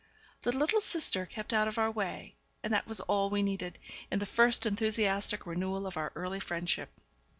The little sister kept out of our way; and that was all we needed, in the first enthusiastic renewal of our early friendship.